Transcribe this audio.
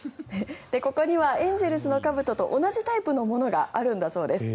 ここにはエンゼルスのかぶとと同じタイプのものがあるんだそうです。